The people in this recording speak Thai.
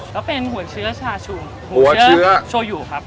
ก็เป็นหัวเชื้อชาชุมหัวเชื้อโชยูครับ